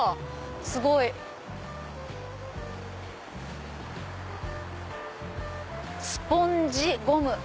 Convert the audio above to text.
すごい！「スポンヂゴム」。